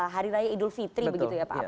hari raya idul fitri begitu ya pak